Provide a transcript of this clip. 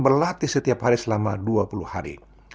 berlatih setiap hari selama dua puluh hari